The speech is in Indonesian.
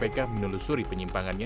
horas menihuruk cnn indonesia